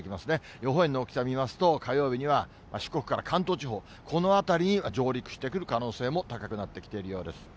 予報円の大きさ見ますと、火曜日には四国から関東地方、この辺りに上陸してくる可能性も高くなってきているようです。